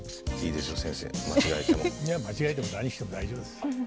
いや間違えても何しても大丈夫です。